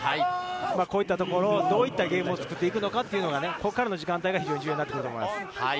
こういったところ、どういったゲームを作っていくのか、ここからの時間帯が非常に重要になってくると思います。